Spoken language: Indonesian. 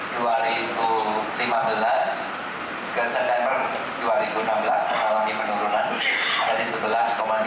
bisa dilihat di sana persentase penduduk miskin di indonesia kalau dari bulan september dua ribu lima belas ke september dua ribu enam belas